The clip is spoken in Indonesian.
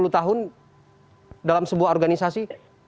tahun dalam sebuah organisasi